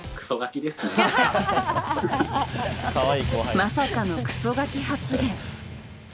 まさかのクソガキ発言。